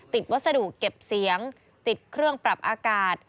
วัสดุเก็บเสียงติดเครื่องปรับอากาศ